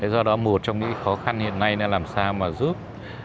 do đó một trong những khó khăn hiện nay là làm sao mà giúp